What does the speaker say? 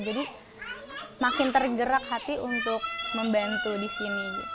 jadi makin tergerak hati untuk membantu di sini